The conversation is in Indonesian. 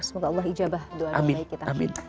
semoga allah ijabah doa doa kita amin